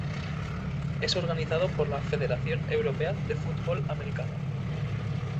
Es organizado por la Federación Europea de Fútbol Americano.